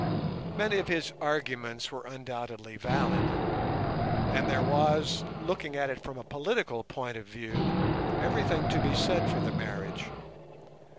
Many of his arguments were undoubtedly valid, and there was, looking at it from a political point of view, everything to be said for the marriage.